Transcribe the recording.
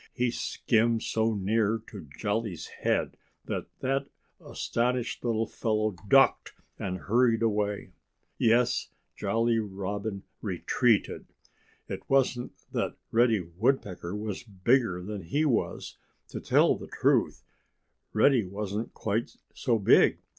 He skimmed so near to Jolly's head that that astonished little fellow ducked and hurried away. Yes! Jolly Robin retreated. It wasn't that Reddy Woodpecker was bigger than he was. To tell the truth, Reddy wasn't quite so big.